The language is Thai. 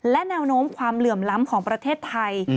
และแนวโน้มความเหลื่อมล้ำของประเทศไทย